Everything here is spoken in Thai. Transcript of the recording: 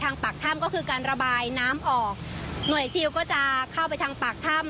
ปากถ้ำก็คือการระบายน้ำออกหน่วยซิลก็จะเข้าไปทางปากถ้ำ